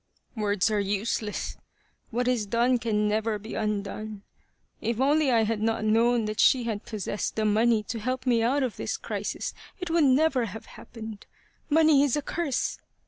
" Words are useless. What is done can never be undone. If only I had not known that she possessed the money to help me out of this crisis it would never have happened. Money is a curse